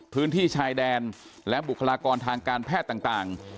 พื้นที่ชายแดนและบุคลากรทางการแพทย์ต่าง